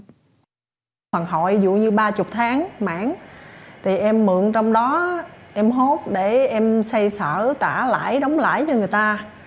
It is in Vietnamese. phần hội dụ như ba mươi tháng mãn thì em mượn trong đó em hốt để em xây sở trả lãi đóng lãi cho người ta